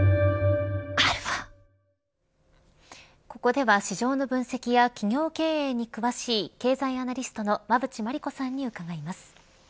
ここでは市場の分析や企業経営に詳しい経済アナリストの馬渕磨理子さんに伺います。